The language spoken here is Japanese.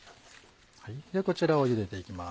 こちらをゆでていきます